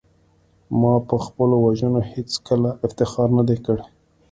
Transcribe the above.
ما په خپلو وژنو هېڅکله افتخار نه دی کړی